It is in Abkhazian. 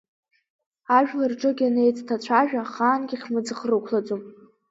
Ажәлар ҿык ианеицҭацәажәа, ахаангьы хьмыӡӷ рықәлаӡом.